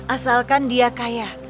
asalkan dia kaya